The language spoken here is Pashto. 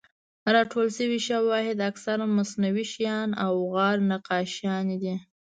راټول شوي شواهد اکثراً مصنوعي شیان او غار نقاشیانې دي.